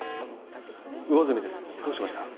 魚住ですどうしました？